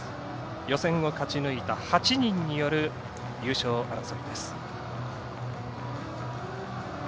予選を勝ち抜いた８人による優勝争いです。